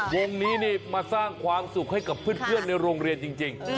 วงนี้นี่มาสร้างความสุขให้กับเพื่อนในโรงเรียนจริง